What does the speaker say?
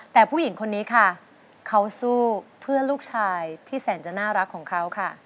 แต่ผู้หญิงคนนี้ค่ะเขาสู้เพื่อลูกชายที่แสนจะน่ารักของเขาค่ะ